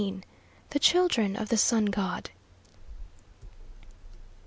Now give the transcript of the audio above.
THE CHILDREN OF THE SUN GOD.